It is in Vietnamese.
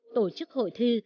tổ chức hội thi